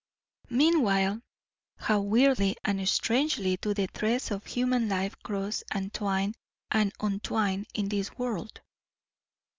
Meanwhile, how weirdly and strangely do the threads of human life cross and twine and untwine in this world!